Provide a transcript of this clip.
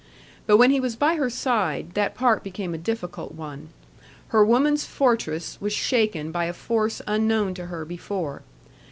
But when he was by her side, that part became a difficult one. Her woman's fortress was shaken by a force unknown to her before.